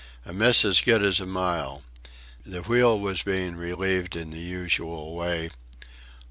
A miss as good as a mile.... The wheel was being relieved in the usual way.